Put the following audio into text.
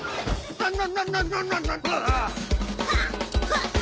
あっ！